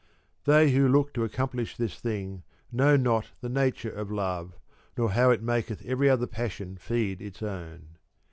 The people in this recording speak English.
They who look to accomplish this thing know not the nature of love, nor how it maketh every other passion feed its own.